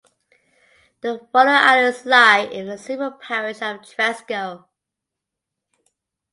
The following islands lie in the civil parish of Tresco.